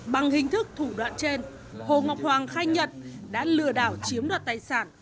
bằng hình thức thủ đoạn trên hồ ngọc hoàng khai nhận đã lừa đảo chiếm đoạt tài sản